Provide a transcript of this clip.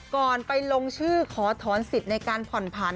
ก่อนไปลงชื่อขอถอนสิทธิ์ในการผ่อนผัน